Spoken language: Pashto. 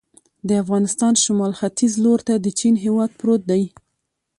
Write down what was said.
د افغانستان شمال ختیځ ته لور ته د چین هېواد پروت دی.